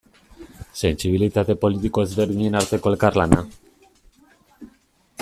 Sentsibilitate politiko ezberdinen arteko elkarlana.